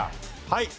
はい。